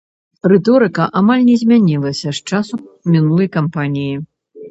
Рыторыка амаль не змянілася з часу мінулай кампаніі.